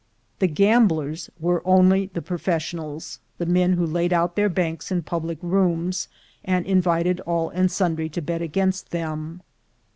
The gamblers were only the professionals, the men who laid out their banks in public rooms, and in vited all and sundry to bet against them.